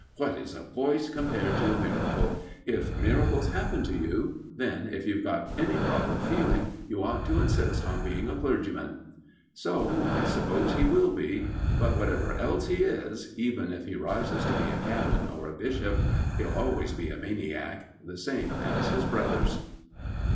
"What is a voice compared to a miracle? If miracles happen to you, then, if you've got any proper feeling, you ought to insist on being a clergyman." So I suppose he will be. But whatever else he is even if he rises to be a Canon or a Bishop he'll always be a maniac, the same as his brothers.